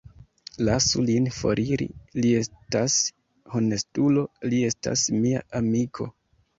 Lasu lin foriri; li estas honestulo; li estas mia amiko!